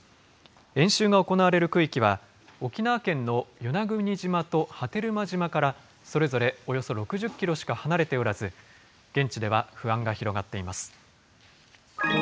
演習が行われる区域は、沖縄県の与那国島と波照間島から、それぞれおよそ６０キロしか離れておらず、現地では不安が広がっています。